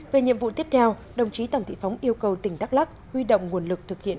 về nhiệm vụ tiếp theo đồng chí tòng thị phóng yêu cầu tỉnh đắk lắc huy động nguồn lực thực hiện